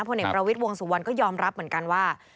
เอกประวิทย์วงสุวรรณก็ยอมรับเหมือนกันว่า